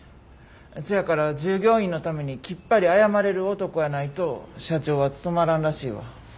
せやから従業員のためにきっぱり謝れる男やないと社長は務まらんらしいわ。